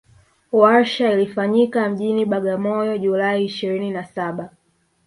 Warsha ilifanyikia mjini Bagamoyo July ishirini na Saba